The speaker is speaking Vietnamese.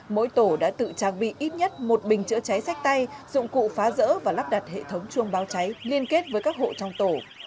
mỗi tổ đã tự trang bị ít nhất một bình chữa cháy sách tay dụng cụ phá rỡ và lắp đặt hệ thống chuông báo cháy liên kết với các hộ trong tổ